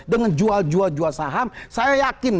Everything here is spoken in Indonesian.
dengan jual jual saham saya yakin